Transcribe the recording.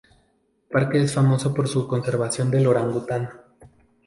El parque es famoso por su conservación del orangután.